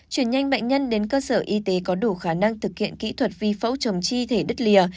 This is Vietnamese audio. chuyển nhanh bệnh nhân đến cơ sở y tế có đủ khả năng thực hiện kỹ thuật vi phẫu trồng chi thể đứt lìa